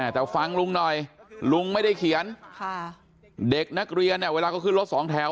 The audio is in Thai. แต่ฟังลุงหน่อยลุงไม่ได้เขียนเด็กนักเรียนเนี่ยเวลาก็ขึ้นรถสองแถว